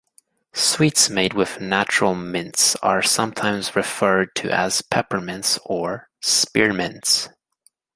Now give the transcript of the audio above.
Sweets made with natural mints are sometimes referred to as peppermints or spearmints.